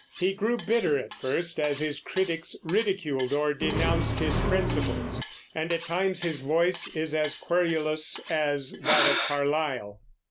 He grew bitter at first, as his critics ridiculed or denounced his principles, and at times his voice is as querulous as that of Carlyle.